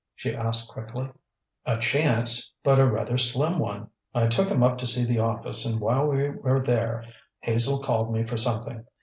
she asked quickly. "A chance, but a rather slim one. I took him up to see the office and while we were there Hazel called me for something.